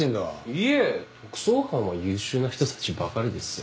いえ特捜班は優秀な人たちばかりですよ。